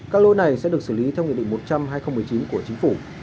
các lỗi này sẽ được xử lý theo nghị định một trăm linh hai nghìn một mươi chín của chính phủ